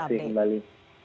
terima kasih kembali